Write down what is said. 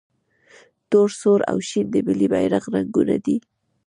تور، سور او شین د ملي بیرغ رنګونه دي.